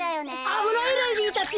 あぶないレディーたち。